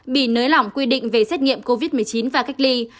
bị nới lỏng quy định về xét nghiệm covid một mươi chín và cách ly